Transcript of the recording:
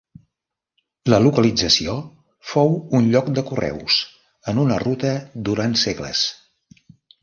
La localització fou un lloc de correus en una ruta durant segles.